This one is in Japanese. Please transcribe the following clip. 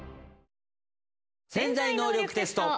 「潜在能力テスト」。